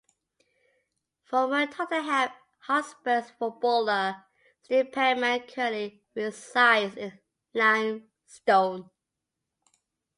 Former Tottenham Hotspurs footballer Steve Perryman currently resides in Lympstone.